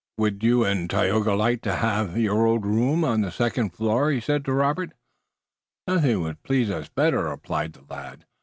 "Would you und Tayoga like to haf your old room on the second floor?" he said to Robert. "Nothing would please us better," replied the lad.